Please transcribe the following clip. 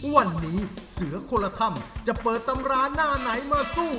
วันนี้เสือคนละถ้ำจะเปิดตำราหน้าไหนมาสู้